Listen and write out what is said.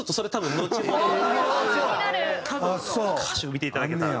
歌詞を見ていただけたら。